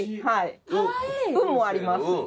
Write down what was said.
かわいい「運」もあります